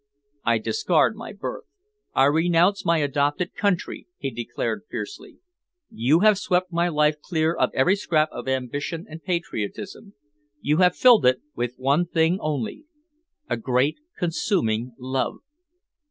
"I discard my birth. I renounce my adopted country," he declared fiercely. "You have swept my life clear of every scrap of ambition and patriotism. You have filled it with one thing only a great, consuming love."